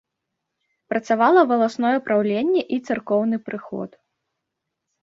Працавала валасное праўленне і царкоўны прыход.